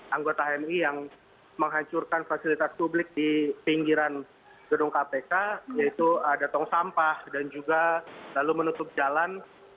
anggota mi yang menghancurkan fasilitas publik di pinggiran gedung kpk yaitu ada tong sampah dan juga lalu menutup jalan